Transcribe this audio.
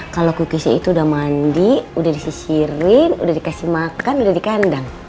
kalo cookiesnya itu udah mandi udah disisirin udah dikasih makan udah dikandang